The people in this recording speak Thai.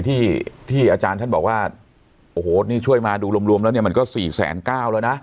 ที่ที่อาจารย์ท่านบอกว่าโอ้โหนี่ช่วยมาดูรวมแล้วเนี่ยมันก็๔๙๐๐แล้วนะ